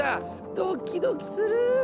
ドキドキする！